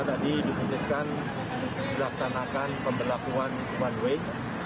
maka tadi diputuskan dilaksanakan pembelakuan one way